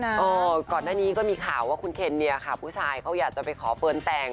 เออก่อนหน้านี้ก็มีข่าวว่าคุณเคนเนี่ยค่ะผู้ชายเขาอยากจะไปขอเฟิร์นแต่ง